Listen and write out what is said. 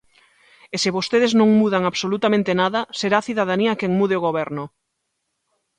E se vostedes non mudan absolutamente nada, será a cidadanía quen mude o Goberno.